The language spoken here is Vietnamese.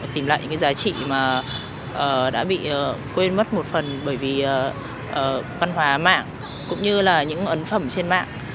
tìm lại những cái giá trị mà đã bị quên mất một phần bởi vì văn hóa mạng cũng như là những ấn phẩm trên mạng